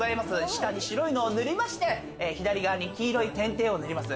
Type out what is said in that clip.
下に白いのを塗りまして、左側に黄色い点々を塗ります。